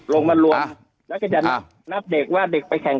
แล้วก็ก็จะรับเนื้อเด็กว่าเด็กไปกี่คน